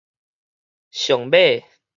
上尾的